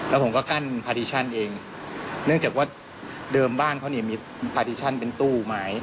แล้วผมก็กั้นพาดิชั่นเองเนื่องจากว่าเดิมบ้านเขาเนี่ยมีพาดิชั่นเป็นตู้ไม้